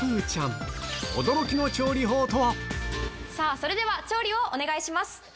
それでは調理をお願いします。